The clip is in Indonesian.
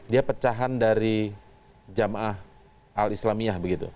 dia pecahan dari jamaah al islamiyah begitu